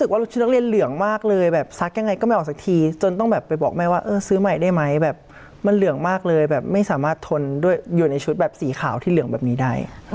ว่าชุดนักเรียนเหลืองมากเลยแบบซักยังไงก็ไม่ออกสักทีจนต้องแบบไปบอกแม่ว่าเออซื้อใหม่ได้ไหมแบบมันเหลืองมากเลยแบบไม่สามารถทนด้วยอยู่ในชุดแบบสีขาวที่เหลืองแบบนี้ได้